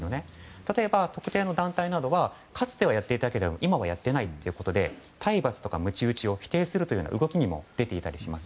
例えば特定の団体などはかつてはやっていたけど今はやってないということで体罰やむち打ちを否定する動きも出ています。